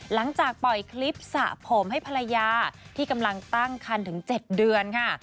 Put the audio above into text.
หลังจากปล่อยคลิปสระผมให้ภรรยาที่กำลังตั้งคันถึง๗เดือนค่ะ